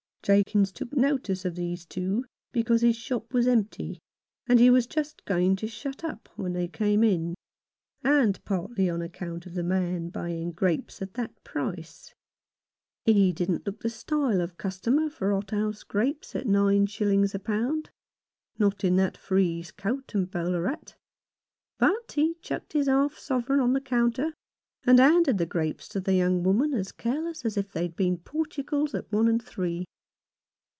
Jakins took notice of these two because his shop was empty, and he was just going to shut up when they came in, and partly on account of the man buying grapes at that price. He didn't look the style of customer for hothouse grapes at nine shillings a pound, not in that frieze coat and bowler hat ; but he chucked his half sovereign on the counter, and handed the grapes to the young woman as careless as if they'd been Portugals at one and three.